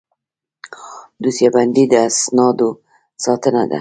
دوسیه بندي د اسنادو ساتنه ده